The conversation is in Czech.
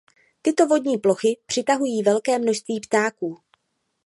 Tyto vodní plochy přitahují velké množství ptáků.